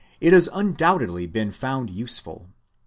5 it has undoubtedly been found useful.